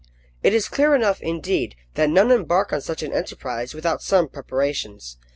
It is clear enough, indeed, that none embark on such an enterprise without some preparations.